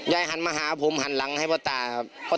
หันมาหาผมหันหลังให้พ่อตาครับ